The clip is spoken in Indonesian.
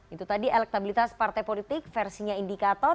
itu tadi elektabilitas partai politik versinya indikator